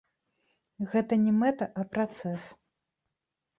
Гэта не мэта, а працэс.